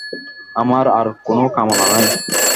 আমার আর-কোনো কামনা নাই।